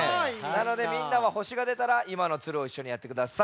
なのでみんなはほしがでたらいまのツルをいっしょにやってください。